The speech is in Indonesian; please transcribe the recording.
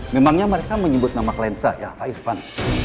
memangnya mereka menyebut nama klien saya irfan